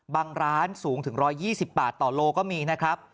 บางร้านสูงถึง๑๒๐บาทต่อโลก็มีนะครับ